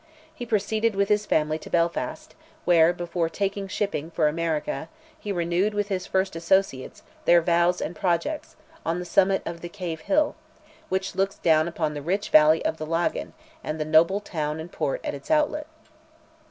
He proceeded with his family to Belfast, where, before taking shipping for America, he renewed with his first associates, their vows and projects, on the summit of "the Cave Hill," which looks down upon the rich valley of the Laggan, and the noble town and port at its outlet.